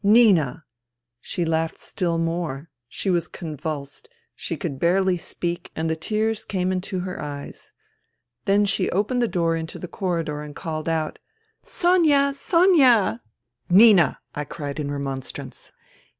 " Nina !" She laughed still more. She was convulsed ; she could barely speak, and the tears came into her eyes. Then she opened the door into the corridor and called out :" Sonia ! Sonia !"" Nina 1 '* I cried in remonstrance.